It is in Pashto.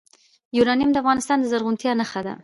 یورانیم د افغانستان د زرغونتیا نښه ده.